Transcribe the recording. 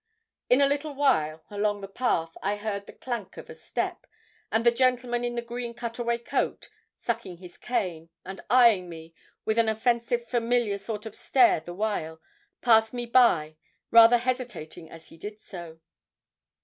In a little while, along the path, I heard the clank of a step, and the gentleman in the green cutaway coat, sucking his cane, and eyeing me with an offensive familiar sort of stare the while, passed me by, rather hesitating as he did so.